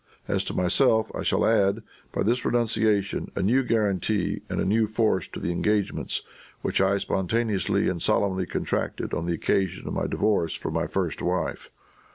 As to myself, I shall add, by this renunciation, a new guarantee and a new force to the engagements which I spontaneously and solemnly contracted on the occasion of my divorce from my first wife.